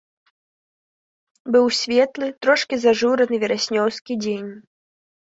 Быў светлы, трошкі зажураны, вераснёўскі дзень.